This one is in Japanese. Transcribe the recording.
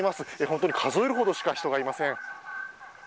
本当に数えるほどしか人がいません。